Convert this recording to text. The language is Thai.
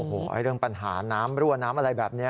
โอ้โหเรื่องปัญหาน้ำรั่วน้ำอะไรแบบนี้